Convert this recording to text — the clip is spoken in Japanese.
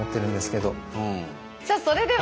さあそれでは。